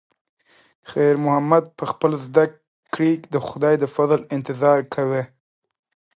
خیر محمد په خپل زړه کې د خدای د فضل انتظار کاوه.